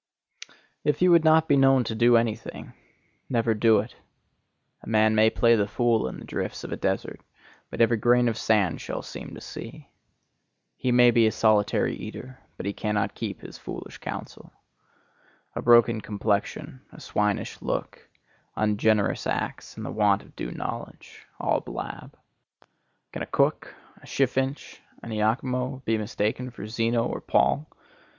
If you would not be known to do any thing, never do it. A man may play the fool in the drifts of a desert, but every grain of sand shall seem to see. He may be a solitary eater, but he cannot keep his foolish counsel. A broken complexion, a swinish look, ungenerous acts and the want of due knowledge,—all blab. Can a cook, a Chiffinch, an Iachimo be mistaken for Zeno or Paul?